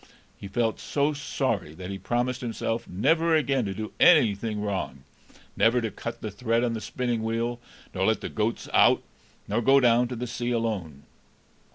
He felt so sorry, that he promised himself never again to do anything wrong, never to cut the thread on the spinning wheel, nor let the goats out, nor go down to the sea alone.